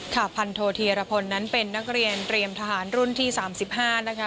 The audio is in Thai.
พันโทธีรพลนั้นเป็นนักเรียนเตรียมทหารรุ่นที่๓๕นะคะ